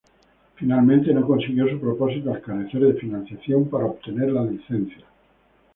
Finalmente no consiguió su propósito al carecer de financiación para obtener la licencia.